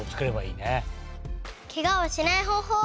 ケガをしないほうほう